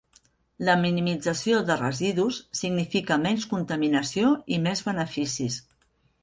La minimització de residus significa menys contaminació i més beneficis.